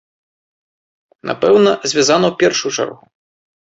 Напэўна, звязана ў першую чаргу.